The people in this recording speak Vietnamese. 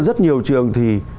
rất nhiều trường thì